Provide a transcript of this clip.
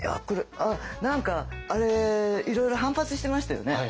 何かいろいろ反発してましたよね？